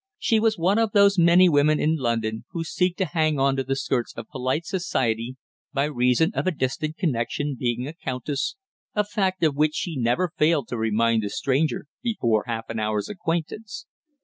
She was one of those many women in London who seek to hang on to the skirts of polite society by reason of a distant connexion being a countess a fact of which she never failed to remind the stranger before half an hour's acquaintance.